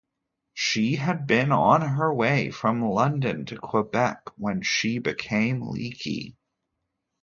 She had been on her way from London to Quebec when she became leaky.